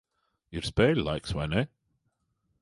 Ir spēļu laiks, vai ne?